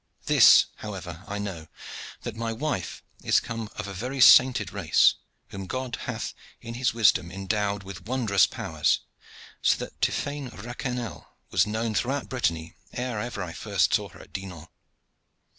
This, however, I know, that my wife is come of a very sainted race, whom God hath in His wisdom endowed with wondrous powers, so that Tiphaine Raquenel was known throughout Brittany ere ever I first saw her at Dinan.